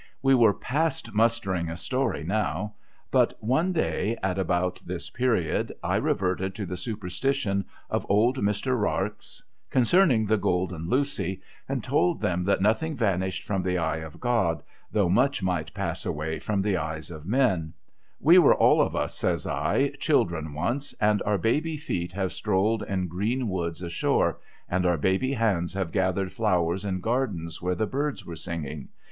\ye were past mustering a story now ; but one day, at about this period, I reverted to the superstition of old Mr, Rarx, concerning the Cx^lden Lucy, and told them that nothing vanished from the eye of C".od, though much might pass away from the eyes of men. DISQUIETING CHANGES 135 * We were all of us,' says I, ' children once ; and our baby feet have strolled in green woods ashore ; and our baby hands have gathered flowers in gardens, where the birds were singing.